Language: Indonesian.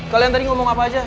kalian tadi ngomong apa aja